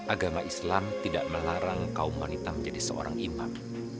agama islam tidak melarang kaum wanita menjadi seorang iman